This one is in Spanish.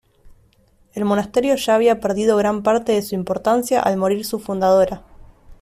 El monasterio ya había perdido gran parte de su importancia al morir su fundadora.